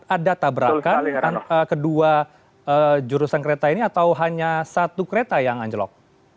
ada tabrakan kedua jurusan kereta ini atau hanya satu kereta yang anjlok